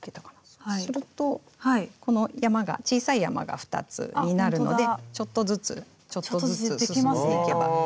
そうするとこの山が小さい山が２つになるのでちょっとずつちょっとずつ進んでいけば。